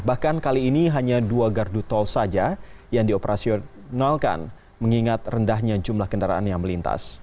bahkan kali ini hanya dua gardu tol saja yang dioperasionalkan mengingat rendahnya jumlah kendaraan yang melintas